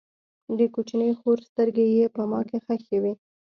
د کوچنۍ خور سترګې یې په ما کې خښې وې